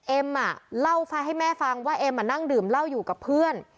เอ็มเล่าไฟให้แม่ฟังว่าเอ็มนั่งดื่มเหล้าอยู่กับเพื่อน